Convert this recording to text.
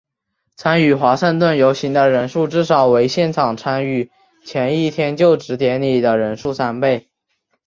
参与华盛顿游行的人数至少为现场参与前一天就职典礼的人数三倍。